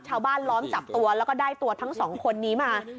ล้อมจับตัวแล้วก็ได้ตัวทั้งสองคนนี้มา